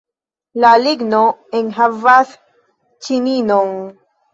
La ligno enhavas ĉininon.